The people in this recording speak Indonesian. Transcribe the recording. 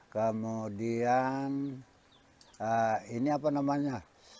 kemudian ini apa namanya